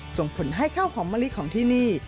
ส่งผลให้ข้าวหอมมะลิของที่นี่